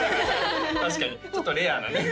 確かにちょっとレアなね